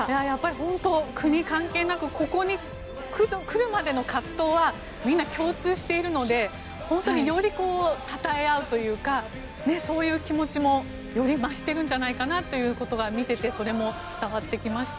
本当に国関係なくここに来るまでの葛藤はみんな共通しているので本当に、よりたたえ合うというかそういう気持ちもより増してるんじゃないかなということは見ててそれも伝わってきました。